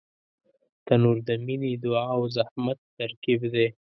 تنور د مینې، دعا او زحمت ترکیب دی